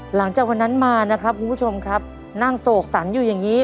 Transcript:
หลังจากวันนั้นมานะครับคุณผู้ชมครับนั่งโศกสรรอยู่อย่างนี้